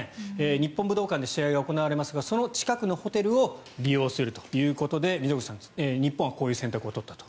日本武道館で試合が行われますがその近くのホテルを利用するということで溝口さん日本はこういう選択を取ったと。